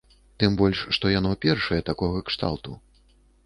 Тым больш што яно першае такога кшталту.